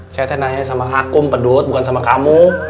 saya nanya sama kakum pedut bukan sama kamu